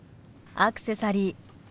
アクセサリー